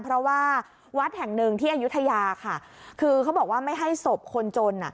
เพราะว่าวัดแห่งหนึ่งที่อายุทยาค่ะคือเขาบอกว่าไม่ให้ศพคนจนอ่ะ